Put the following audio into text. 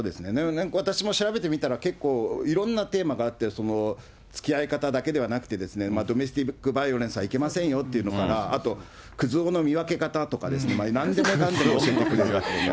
なので、私も調べてみたら、結構、いろんなテーマがあって、つきあい方だけではなくて、ドメスティックバイオレンスはいけませんよっていうのから、あとくずおの見分け方とか、なんでもかんでも教えてくれる。